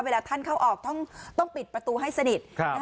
เวลาท่านเข้าออกต้องปิดประตูให้สนิท